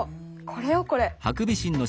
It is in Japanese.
これよこれ。